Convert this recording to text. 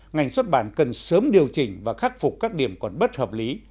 ngành xuất bản cần sớm điều chỉnh và khắc phục các điểm còn bất hợp lý